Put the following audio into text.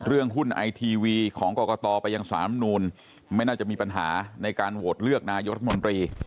หุ้นไอทีวีของกรกตไปยังสารำนูลไม่น่าจะมีปัญหาในการโหวตเลือกนายกรัฐมนตรี